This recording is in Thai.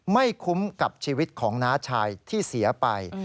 ไม่คุ้มกับชีวิตของน้าชายที่เสียไป